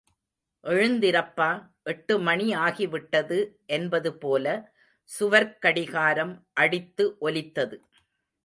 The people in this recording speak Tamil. எழுந்திரப்பா, எட்டு மணி ஆகி விட்டது, என்பது போல சுவர்க் கடிகாரம் அடித்து ஒலித்தது.